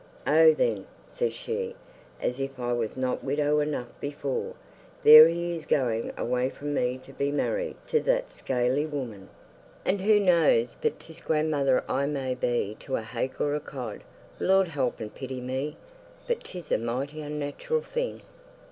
'Oh, then,' says she, 'as if I was not widow enough before, there he is going away from me to be married to that scaly woman. And who knows but 'tis grandmother I may be to a hake or a cod Lord help and pity me, but 'tis a mighty unnatural thing!